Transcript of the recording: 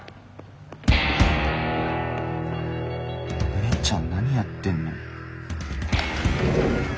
姉ちゃん何やってんの？